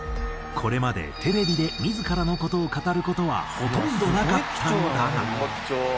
これまでテレビで自らの事を語る事はほとんどなかったのだが。